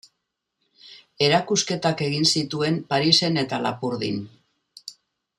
Erakusketak egin zituen Parisen eta Lapurdin.